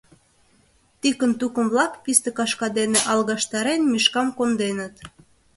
Тикын тукым-влак писте кашка дене алгаштарен, Мишкам конденыт...